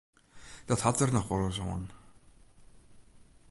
Dat hat der noch wolris oan.